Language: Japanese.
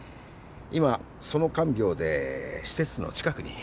今その看病で施設の近くに。